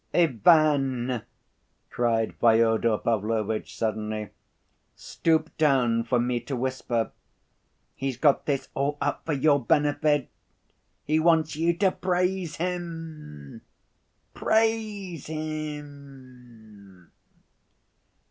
"Ivan," cried Fyodor Pavlovitch suddenly, "stoop down for me to whisper. He's got this all up for your benefit. He wants you to praise him. Praise him."